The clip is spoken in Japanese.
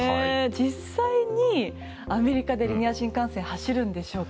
実際にアメリカでリニア新幹線走るんでしょうか？